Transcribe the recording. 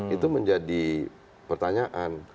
itu menjadi pertanyaan